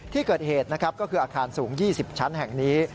ที่เกิดเหตุนะครับก็คืออาคารสูง๒๐ชั้นแห่งนี้